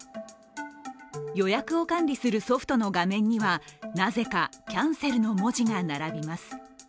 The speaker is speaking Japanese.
予約を管理するソフトの画面にはなぜかキャンセルの文字が並びます。